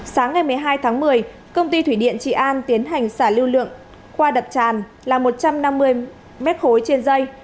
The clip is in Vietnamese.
sáng ngày một mươi hai tháng một mươi công ty thủy điện trị an tiến hành xả lưu lượng qua đập tràn là một trăm năm mươi m ba trên dây